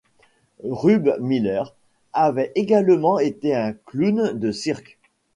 Rube Miller avait également été un clown de cirque.